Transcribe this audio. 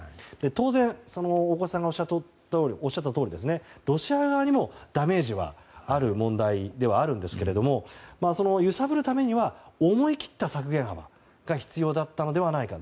当然、大越さんがおっしゃったとおりロシア側にもダメージはある問題ではあるんですがその揺さぶるためには思い切った削減案が必要だったのではないか。